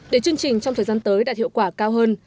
để chương trình trong thời gian tới đạt hiệu quả cao hơn